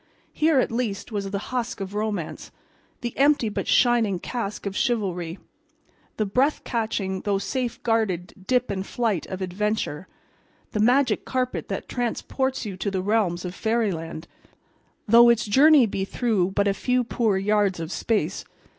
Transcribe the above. Here, at least, was the husk of Romance, the empty but shining casque of Chivalry, the breath catching though safe guarded dip and flight of Adventure, the magic carpet that transports you to the realms of fairyland, though its journey be through but a few poor yards of space.